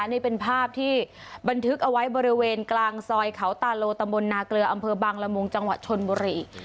นี่เป็นภาพที่บันทึกเอาไว้บริเวณกลางซอยเขาตาโลตำบลนาเกลืออำเภอบังละมุงจังหวัดชนบุรี